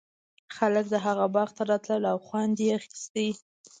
خلک د هغه باغ ته راتلل او خوند یې اخیست.